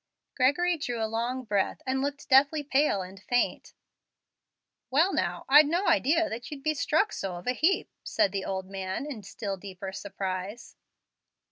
Gregory drew a long breath and looked deathly pale and faint. "Well, now, I'd no idea that you'd be so struck of a heap," said the old man, in still deeper surprise.